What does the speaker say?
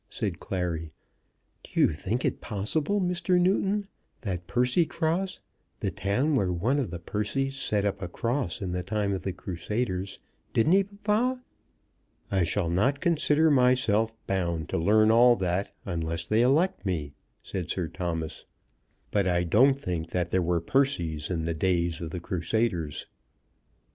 said Clary. "Do you think it possible, Mr. Newton, that Percycross, the town where one of the Percys set up a cross in the time of the Crusaders, didn't he, papa? " "I shall not consider myself bound to learn all that unless they elect me," said Sir Thomas; "but I don't think there were Percys in the days of the Crusaders."